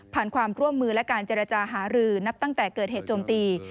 ความร่วมมือและการเจรจาหารือนับตั้งแต่เกิดเหตุโจมตี